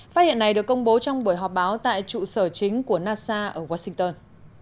phát hiện này được công bố trong buổi họp báo tại trụ sở chính của nasa ở washington